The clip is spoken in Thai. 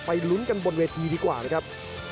ลุ้นกันบนเวทีดีกว่านะครับ